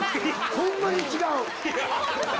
ホンマに違う！